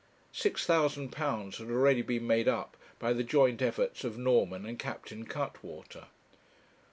Six thousand pounds had already been made up by the joint efforts of Norman and Captain Cuttwater.